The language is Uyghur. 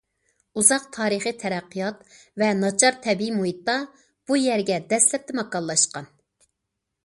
ئۇزاق تارىخىي تەرەققىيات ۋە ناچار تەبىئىي مۇھىتتا، بۇ يەرگە دەسلەپتە ماكانلاشقان.